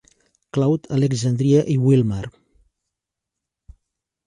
Cloud, Alexandria i Willmar.